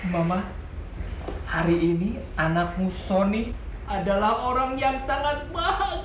mama hari ini anakmu sony adalah orang yang sangat bahagia sekali banget